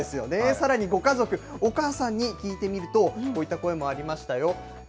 さらにご家族、お母さんに聞いてみると、こういった声もありましたよ。